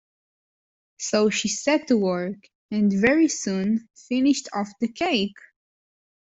So she set to work, and very soon finished off the cake.